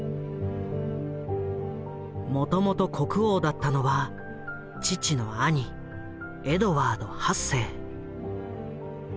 もともと国王だったのは父の兄エドワード８世。